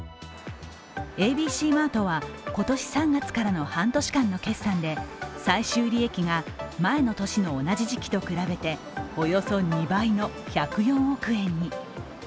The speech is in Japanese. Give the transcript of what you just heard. ＡＢＣマートは今年３月からの半年間の決算で最終利益が前の年の同じ時期と比べておよそ２倍の１０４億円に。